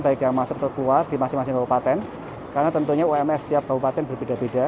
baik yang masuk keluar di masing masing kabupaten karena tentunya ums setiap kabupaten berbeda beda